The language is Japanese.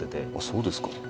そうですか。